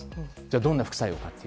どんな副作用か。